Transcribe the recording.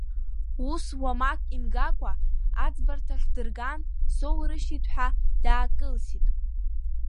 Ус уамак имгакәа, аӡбарҭахь дырган, соурыжьит ҳәа даакылсит.